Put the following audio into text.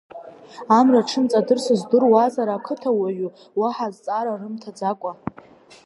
Амра дшымҵадырсыз здыруаз ақыҭауаҩы, уаҳа азҵаара рымҭаӡакәа…